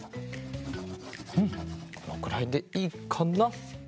うんこのくらいでいいかな？